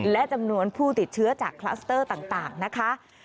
และจำนวนผู้ติดเชื้อจากคลัสเตอร์ต่างนะคะ